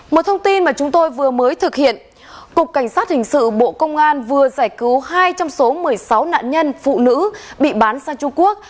một thông tin mà chúng tôi vừa mới thực hiện cục cảnh sát hình sự bộ công an vừa giải cứu hai trong số một mươi sáu nạn nhân phụ nữ bị bán sang trung quốc